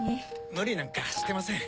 無理なんかしてません。